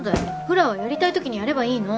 フラはやりたいときにやればいいの。